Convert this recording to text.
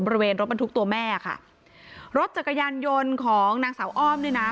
บริเวณรถบรรทุกตัวแม่ค่ะรถจักรยานยนต์ของนางสาวอ้อมเนี่ยนะ